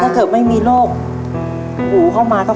ก็ยังดีว่ามีคนมาดูแลน้องเติร์ดให้